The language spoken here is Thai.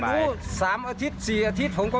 ผมก็ไม่รู้๓๔อาทิตย์ผมก็ไม่ได้คุ้มกัน